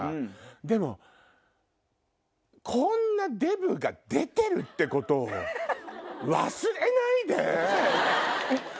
でもこんなデブが出てるってことを忘れないで。